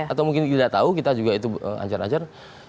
atau mungkin tidak tahu kita juga itu anjar anjar